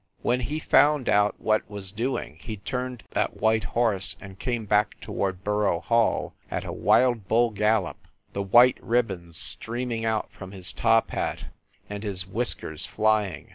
When he found out what was doing, he turned that white horse, and came back toward Borough Hall at a wild bull gallop, the white rib bons streaming out from his top hat and his whis kers flying.